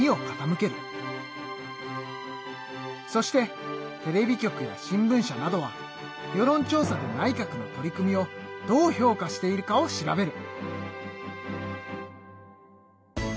そしてテレビ局や新聞社などは世論調査で内閣の取り組みをどう評価しているかを調べる。